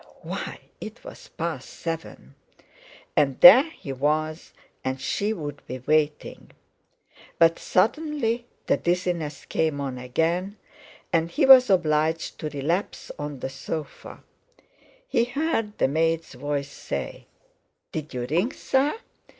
Why! it was past seven! And there he was and she would be waiting. But suddenly the dizziness came on again, and he was obliged to relapse on the sofa. He heard the maid's voice say: "Did you ring, sir?"